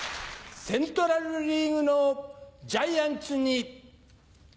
セントラル・リーグのジャイアンツにえい！